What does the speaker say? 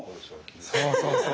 そうそうそう。